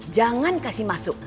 jangan kasih masuk